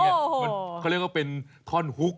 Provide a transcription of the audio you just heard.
เออนี่ไงเขาเรียกว่าเป็นท่อนฮุก